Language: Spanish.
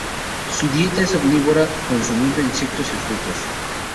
Su dieta es omnívora, consumiendo insectos y frutos.